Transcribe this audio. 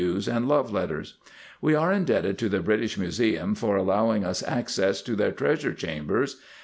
U's, and Love Letters. We are indebted to the British Museum for allowing us access to their treasure chambers.